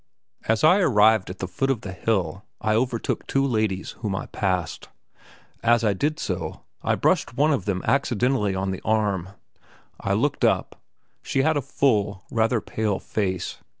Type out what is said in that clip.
As I arrived at the foot of the hill I overtook two ladies, whom I passed. As I did so, I brushed one of them accidentally on the arm. I looked up; she had a full, rather pale, face.